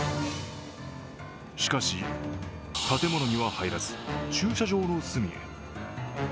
しかし、建物には入らず駐車場の隅へ。